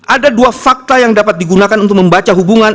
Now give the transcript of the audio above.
ada dua fakta yang dapat digunakan untuk membaca hubungan